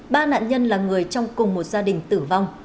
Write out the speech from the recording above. ba nạn nhân là người trong cùng một gia đình tử vong